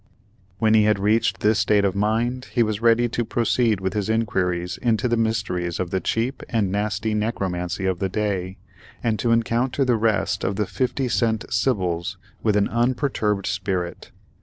When he had reached this state of mind, he was ready to proceed with his inquiries into the mysteries of the cheap and nasty necromancy of the day, and to encounter the rest of the fifty cent Sybils with an unperturbed spirit.